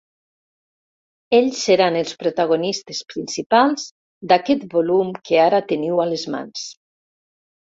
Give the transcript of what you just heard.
Ells seran els protagonistes principals d'aquest volum que ara teniu a les mans.